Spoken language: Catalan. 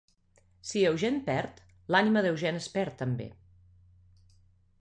Si Eugene perd, l'ànima d'Eugene es perd també.